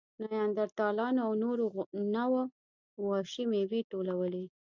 نیاندرتالانو او نورو نوعو وحشي مېوې ټولولې.